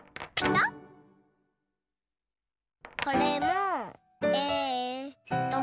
これもえと。